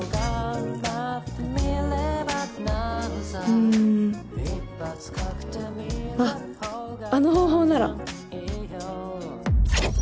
うんあっあの方法なら！